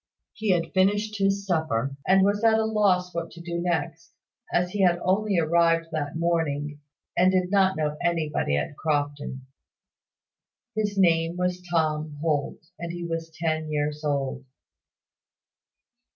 He had finished his supper, and was at a loss what to do next, as he had only arrived that morning, and did not know anybody at Crofton. His name was Tom Holt, and he was ten years old.